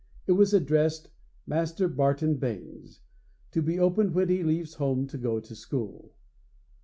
It was addressed: 'Master Barton Baynes; to be opened when he leaves home to go to school.'